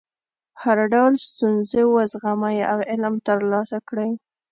هر ډول ستونزې وزغمئ او علم ترلاسه کړئ.